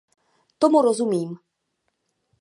Tomu rozumím.